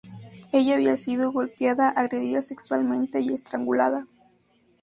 Ella había sido golpeada, agredida sexualmente y estrangulada.